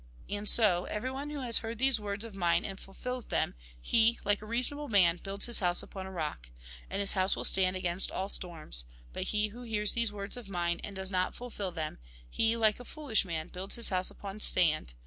And so, everyone who has heard these words of mine, and fulfils them, he, like a reasonable man, builds his house upon a rock. And his house will stand against all storms. But he who hears these words of mine, and does not fulfil them, he, like a foolish man, builds his house upon sand.